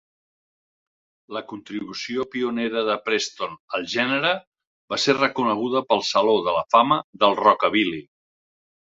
La contribució pionera de Preston al gènere va ser reconeguda pel Saló de la Fama del Rockabilly.